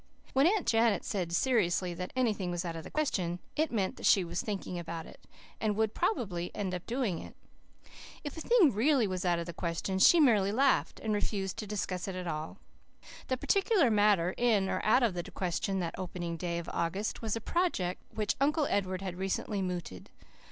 When Aunt Janet said seriously that anything was out of the question it meant that she was thinking about it, and would probably end up by doing it. If a thing really was out of the question she merely laughed and refused to discuss it at all. The particular matter in or out of the question that opening day of August was a project which Uncle Edward had recently mooted.